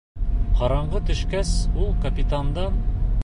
Ҡараңғы төшкәс, ул капитандан: